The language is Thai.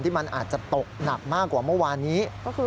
มันอาจจะตกหนักมากกว่าเมื่อวานนี้